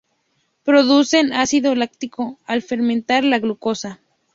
Producen L- ácido láctico al fermentar la glucosa.